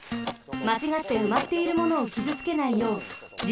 まちがってうまっているものをきずつけないようじ